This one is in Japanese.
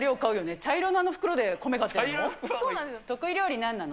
茶色のあの袋で米買ってるの？